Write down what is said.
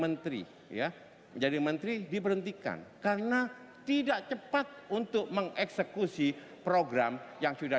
menteri ya menjadi menteri diberhentikan karena tidak cepat untuk mengeksekusi program yang sudah